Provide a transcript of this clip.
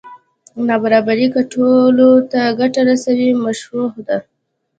نابرابري که ټولو ته ګټه رسوي مشروع ده.